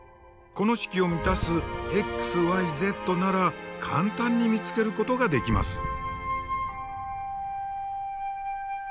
この式を満たすｘｙｚなら簡単に見つけることができます。